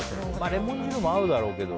レモン汁も合うだろうけど。